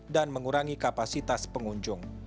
dan mengurangi kapasitas pengunjung